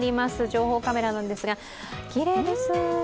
情報カメラなんですが、きれいです。